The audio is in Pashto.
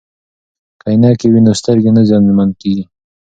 که عینکې وي نو سترګې نه زیانمن کیږي.